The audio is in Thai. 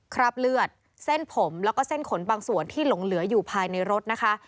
คราบเลือดเส้นผมแล้วก็เส้นขนบางส่วนที่หลงเหลืออยู่ภายในรถนะคะ